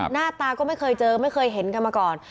หน้าตาก็ไม่เคยเจอไม่เคยเห็นกันมาก่อน